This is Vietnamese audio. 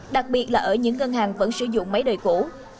đặc biệt là ở những ngân hàng vẫn sử dụng máy đời cũ